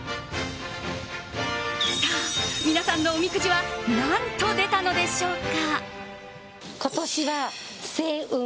さあ、皆さんのおみくじは何と出たのでしょうか。